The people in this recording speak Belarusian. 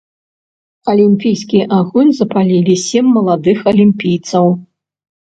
Алімпійскі агонь запалілі сем маладых алімпійцаў.